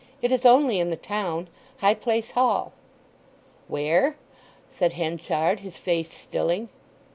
It is only in the town—High Place Hall!" "Where?" said Henchard, his face stilling.